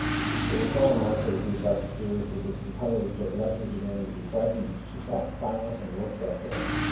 It was so unlike her to be thus seriously discomposed, that Letty began to be frightened. She sat silent and looked at her.